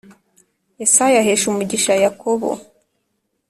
Yesaya ahesha umugisha yakobo